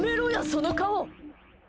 その顔。